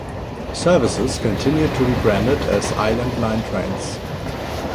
Services continued to be branded as Island Line Trains.